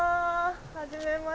はじめまして。